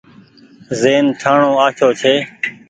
زهين ٺآڻو آڇو ڇي۔